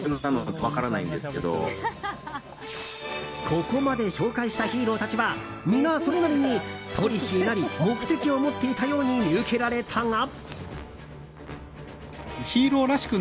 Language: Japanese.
ここまで紹介したヒーローたちは皆、それなりにポリシーなり目的を持っていたように見受けられたが。